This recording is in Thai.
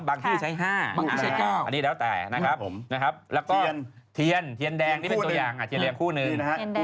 บางที่ใช้๕อันนี้แล้วแต่แล้วก็เทียนแดงนี่เป็นตัวอย่างเทียนแดงคู่หนึ่ง